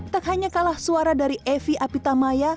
tak hanya kalah suara dari evi apitamaya